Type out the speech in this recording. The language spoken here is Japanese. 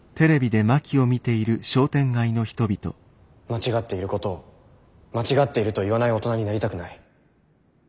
間違っていることを間違っていると言わない大人になりたくない。